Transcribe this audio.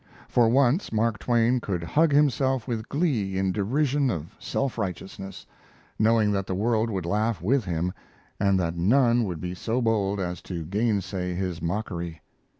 For once Mark Twain could hug himself with glee in derision of self righteousness, knowing that the world would laugh with him, and that none would be so bold as to gainsay his mockery.